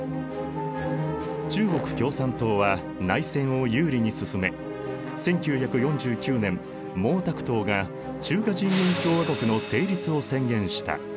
中国共産党は内戦を有利に進め１９４９年毛沢東が中華人民共和国の成立を宣言した。